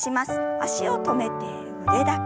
脚を止めて腕だけ。